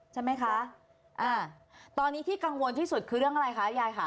ใช่ไหมคะอ่าตอนนี้ที่กังวลที่สุดคือเรื่องอะไรคะยายค่ะ